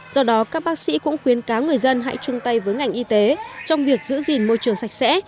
do đó các bác sĩ cũng khuyến cáo người dân hãy chung tay với ngành y tế trong việc giữ gìn môi trường sạch sẽ